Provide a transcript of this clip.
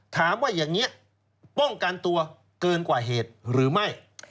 ถามว่าอย่างนี้ป้องกันตัวเกินกว่าเหตุหรือไม่